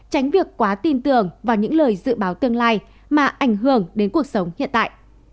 tránh việc quá tin tưởng vào những lời dự báo tương lai mà ảnh hưởng đến cuộc sống hiện tại